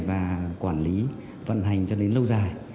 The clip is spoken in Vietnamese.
và quản lý vận hành cho đến lâu dài